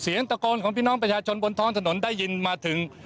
เสียงตะโกนของพี่น้องประชาชนบนท้องถนนได้ยินมาถึง